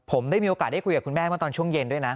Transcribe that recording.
ผมได้มีโอกาสได้คุยกับคุณแม่เมื่อตอนช่วงเย็นด้วยนะ